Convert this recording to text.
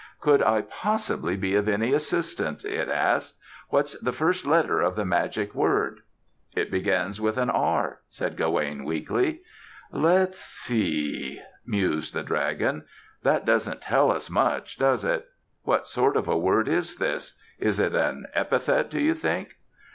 "Could I possibly be of any assistance?" it asked. "What's the first letter of the magic word?" "It begins with an 'r,'" said Gawaine weakly. "Let's see," mused the dragon, "that doesn't tell us much, does it? What sort of a word is this? Is it an epithet, do you think?"